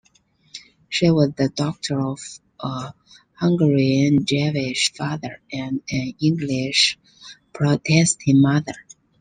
She was the daughter of a Hungarian Jewish father and an English Protestant mother.